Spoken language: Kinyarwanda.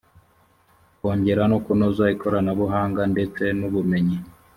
kongera no kunoza ikoranabuhanga ndetse n’’ubumenyi